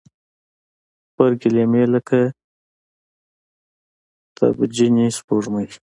غبرګي لیمې لکه تبجنې سپوږمۍ